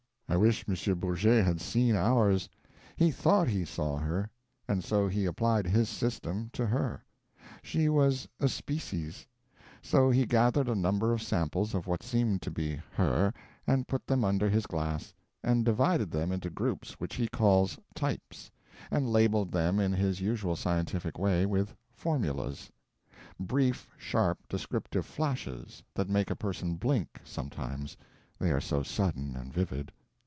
I wish M. Bourget had seen ours. He thought he saw her. And so he applied his System to her. She was a Species. So he gathered a number of samples of what seemed to be her, and put them under his glass, and divided them into groups which he calls "types," and labeled them in his usual scientific way with "formulas" brief sharp descriptive flashes that make a person blink, sometimes, they are so sudden and vivid.